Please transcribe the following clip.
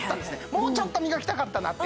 もうちょっと磨きたかったなって